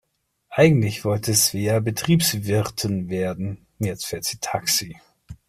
Eigentlich wollte Svea Betriebswirtin werden, jetzt fährt sie Taxi.